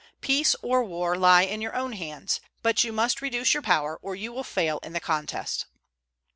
"Peace or war lie in your own hands; but you must reduce your power, or you will fail in the contest."